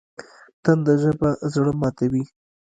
تنده ژبه زړه ماتوي